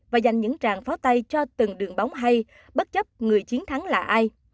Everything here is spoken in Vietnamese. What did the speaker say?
và dành những tràng pháo tay cho từng đường bóng hay bất chấp người chiến thắng là ai